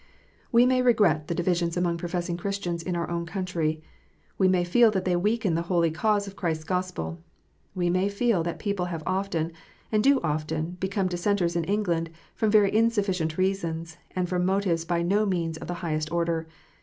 We may regret the divisions among professing Christians in our own country. We may feel that they weaken the holy cause of Christ s Gospel. We may feel that people have often, and do often, become Dissenters in England from very insuffi cient reasons, and from motives by no means of the highest order.